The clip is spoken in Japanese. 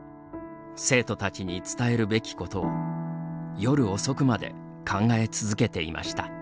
生徒たちに伝えるべきことを夜遅くまで考え続けていました。